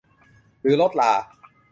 หรือรถรา